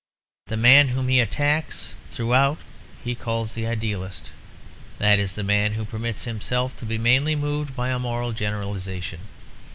The man whom he attacks throughout he calls "The Idealist"; that is the man who permits himself to be mainly moved by a moral generalisation.